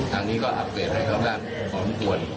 ดังนี้ก็อัปเกรดด้านโรงกัน